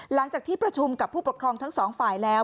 หลังจากที่ประชุมกับผู้ปกครองทั้งสองฝ่ายแล้ว